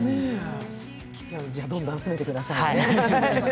じゃあ、どんどん集めてくださいね。